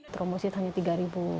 tromosid hanya tiga ribu